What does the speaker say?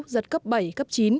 giật cấp bảy cấp chín